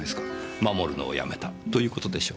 守るのをやめたという事でしょう。